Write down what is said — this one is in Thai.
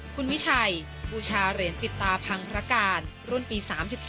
คุณวิชัยบูชาเหรียญปิดตาพังพระการรุ่นปี๓๒